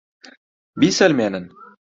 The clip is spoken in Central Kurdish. بیسەلمێنن!